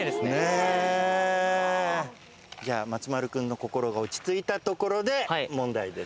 じゃあ松丸君の心が落ち着いたところで問題です。